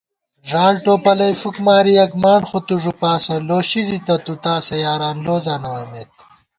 ݫاڑ ٹوپَلَئی فُکماری یَک مانڈ خوتُو ݫُپاسہ * لوشی دِتہ تُو تاسہ یاران لوزاں نہ ووئیمېت